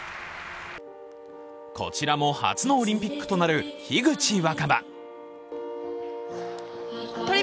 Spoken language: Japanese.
こちらも初のオリンピックとなる樋口新葉。